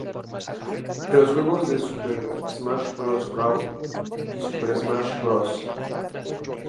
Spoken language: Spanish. En los juegos de "Super Smash Bros Brawl" y 'Super Smash Bros.